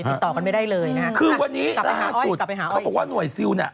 ติดต่อกันไม่ได้เลยนะคะคือวันนี้ล่าสุดเขาบอกว่าหน่วยซิลน่ะ